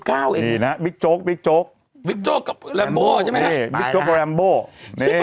อ่าครับอายุเพิ่งยี่สิบเก้าเอ่ยบิ๊กโจ๊กบิ๊กโจ๊กตัวจากเป็นจ๊ะไหมนะคะ